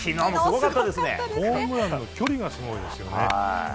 ホームランの距離がすごいですよね。